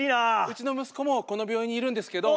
うちの息子もこの病院にいるんですけど。